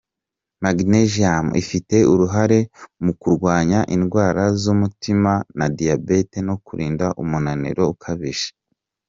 Magnesium: ifite uruhare mu kurwaya indwara z’umutima na diabete no kurinda umunaniro ukabije.